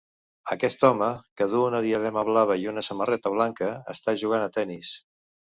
Aquest home, que duu una diadema blava i una samarreta blanca, està jugant a tennis.